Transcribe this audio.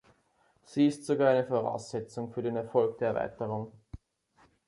Sie ist sogar eine Voraussetzung für den Erfolg der Erweiterung.